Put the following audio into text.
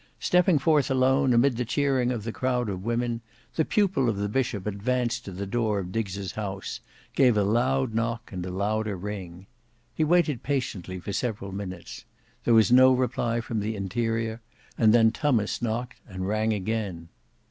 Stepping forth alone, amid the cheering of the crowd of women, the pupil of the Bishop advanced to the door of Diggs' house, gave a loud knock and a louder ring. He waited patiently for several minutes; there was no reply from the interior, and then Tummas knocked and rang again.